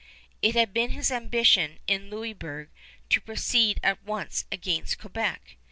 It had been his ambition in Louisburg to proceed at once against Quebec.